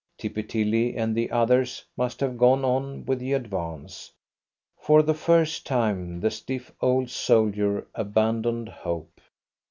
Tippy Tilly and the others must have gone on with the advance. For the first time the stiff old soldier abandoned hope.